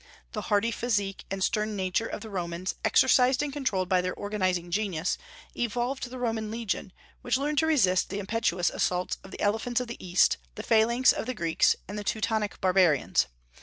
The hardy physique and stern nature of the Romans, exercised and controlled by their organizing genius, evolved the Roman legion, which learned to resist the impetuous assaults of the elephants of the East, the phalanx of the Greeks, and the Teutonic barbarians.